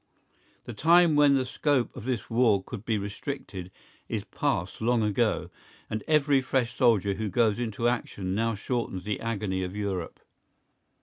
The time when the scope of this war could be restricted is past long ago, and every fresh soldier who goes into action now shortens the agony of Europe.